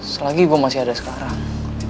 selagi gue masih ada sekarang